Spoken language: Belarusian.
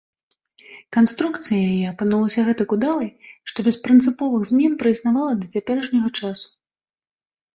Канструкцыя яе апынулася гэтак удалай, што без прынцыповых змен праіснавала да цяперашняга часу.